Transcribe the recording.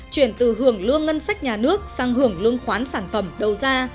chuyển từ hưởng lương ngân sách nhà nước sang hưởng lương khoán sản phẩm đầu ra